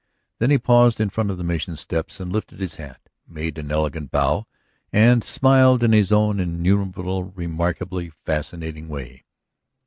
Then he paused in front of the Mission steps and lifted his hat, made an elegant bow, and smiled in his own inimitable, remarkably fascinating way.